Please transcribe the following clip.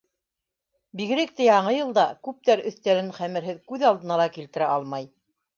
Бигерәк тә Яңы йылда күптәр өҫтәлен хәмерһеҙ күҙ алдына ла килтерә алмай.